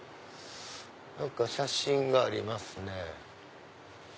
何か写真がありますね。